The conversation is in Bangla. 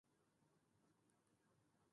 এছাড়া তিনি আরও বেশ কয়েকটি রেস জিতেছিলেন।